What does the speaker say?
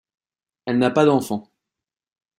Elle n'a pas d'enfant.